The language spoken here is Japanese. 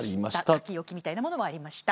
書き置きみたいなものもありました。